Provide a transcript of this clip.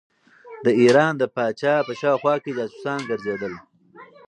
د ایران د پاچا په شاوخوا کې جاسوسان ګرځېدل.